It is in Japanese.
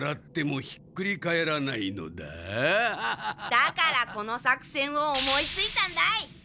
だからこの作戦を思いついたんだい！